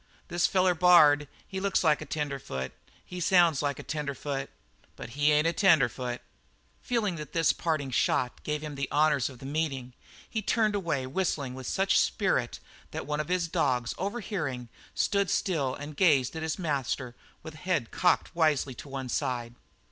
This feller Bard looks like a tenderfoot; he sounds like a tenderfoot; but he ain't a tenderfoot." Feeling that this parting shot gave him the honours of the meeting, he turned away whistling with such spirit that one of his dogs, overhearing, stood still and gazed at his master with his head cocked wisely to one side.